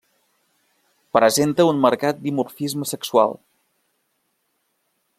Presenta un marcat dimorfisme sexual.